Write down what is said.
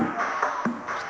maaf bapak davin